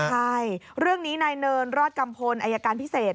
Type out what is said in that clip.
ใช่เรื่องนี้นายเนินรอดกัมพลอายการพิเศษ